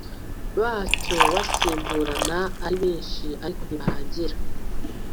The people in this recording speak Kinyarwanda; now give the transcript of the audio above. bacyo basimburana ari benshi ariko ntibarangira